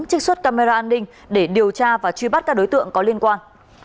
trích xuất camera an ninh để điều tra và truy bắt các đối tượng có liên quan